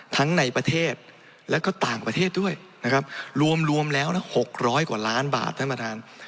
ทั้งในประเทศแล้วก็ต่างประเทศด้วยนะครับรวมรวมแล้ว๖๐๐กว่าล้านบาทท่านประธาน